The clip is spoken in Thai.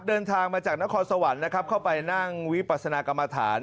เดินทางมาจากนครสวรรค์นะครับเข้าไปนั่งวิปัสนากรรมฐาน